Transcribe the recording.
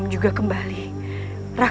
masuklah ke dalam